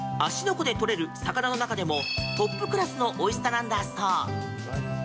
湖で取れる魚の中でもトップクラスのおいしさなんだそう！